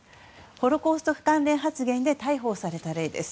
ホロコースト関連発言で逮捕をされた例です。